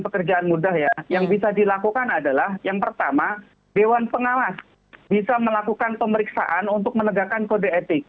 pembelajaran yang dilakukan oleh pimpinan kpk adalah mengembangkan kemampuan pemeriksaan untuk menegakkan kode etik